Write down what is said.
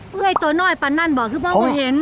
เพื่อให้ตัวน้อยปันนั่นบอกคือพ่อก็เห็น